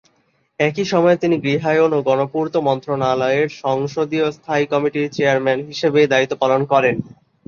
একই সময়ে তিনি গৃহায়ন ও গণপূর্ত মন্ত্রণালয়ের সংসদীয় স্থায়ী কমিটির চেয়ারম্যান হিসেবে দায়িত্ব পালন করেন।